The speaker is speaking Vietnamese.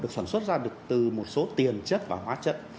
được sản xuất ra được từ một số tiền chất và hóa chất